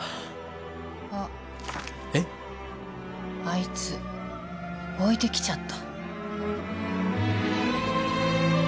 あいつ置いてきちゃった。